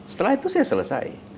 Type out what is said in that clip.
setelah itu saya selesai